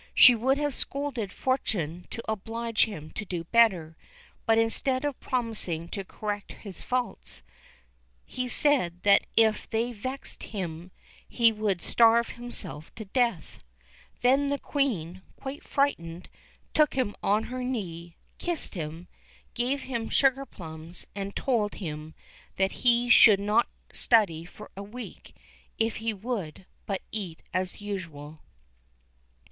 She would have scolded Fortuné to oblige him to do better; but instead of promising to correct his faults, he said that if they vexed him he would starve himself to death. Then the Queen, quite frightened, took him on her knee, kissed him, gave him sugar plums, and told him that he should not study for a week if he would but eat as usual.